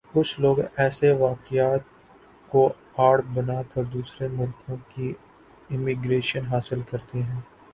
کُچھ لوگ ایسے واقعات کوآڑ بنا کردوسرے ملکوں کی امیگریشن حاصل کرتے ہیں